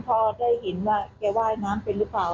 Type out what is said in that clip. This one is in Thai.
พอได้เห็นว่าแกว่ายน้ำเป็นหรือเปล่า